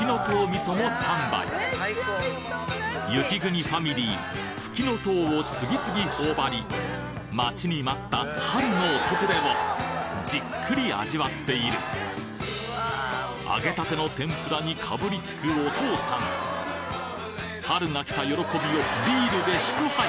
味噌もスタンバイ雪国ファミリーふきのとうを次々頬張り待ちに待った春の訪れをじっくり味わっている揚げたての天ぷらにかぶりつくお父さん春が来た喜びをビールで祝杯！